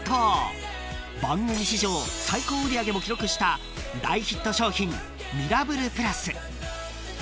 ［番組史上最高売り上げも記録した大ヒット商品ミラブルプラス］